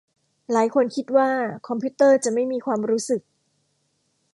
หลายคนคิดว่าคอมพิวเตอร์จะไม่มีความรู้สึก